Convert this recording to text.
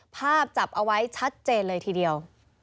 จับเอาไว้ชัดเจนเลยทีเดียว